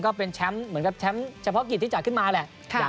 ก็เป็นแชมป์เหมือนกับแชมป์เฉพาะกิจที่จัดขึ้นมาแหละ